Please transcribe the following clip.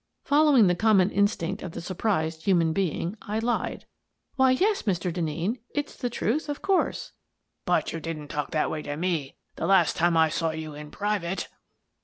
Following the common instinct of the surprised human being, I lied. " Why, yes, Mr. Denneen, it's the truth, of course." " But you didn't talk that way to me the last time I saw you in private."